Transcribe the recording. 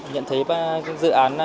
nhận thấy ba dự án